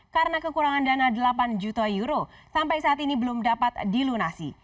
karena kekurangan dana delapan juta euro sampai saat ini belum dapat dilunasi